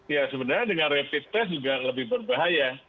ya sebenarnya dengan rapid test juga lebih berbahaya